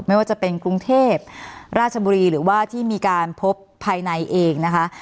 ไม่ว่าจะเป็นกรุงเทพราชบุรีหรือว่าที่มีการพบภายในเองนะคะ